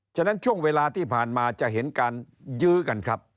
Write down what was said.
ฉะนั้นช่วงเวลาที่ผ่านมาจะเห็นการยื้อกันครับ